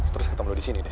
terus ketemu lo disini deh